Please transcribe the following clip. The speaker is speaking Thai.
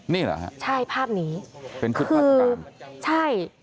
นี่เหรอฮะใช่ภาพนี้เป็นชุดภาษฐานคือใช่